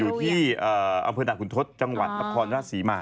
อยู่ที่อำเภอดาคุณทศจังหวัดตรับคลอนราชศรีมา